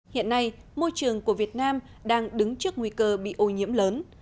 hiện nay môi trường của việt nam đang đứng trước nguy cơ bị ô nhiễm lớn